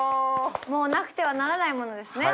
もうなくてはならないものですね